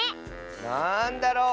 なんだろう？